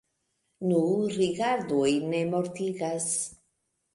Nu, rigardoj ne mortigas.